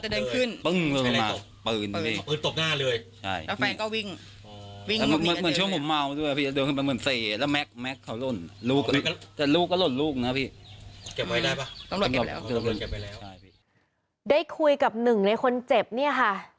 ได้คุยกับหนึ่งในคนเจ็บเนี่ยค่ะ